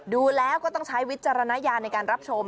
ดูแล้วก็ต้องใช้วิจารณญาณในการรับชม